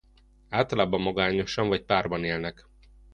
Általában magányosan vagy párban élnek.